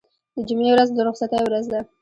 د جمعې ورځ د رخصتۍ ورځ ده.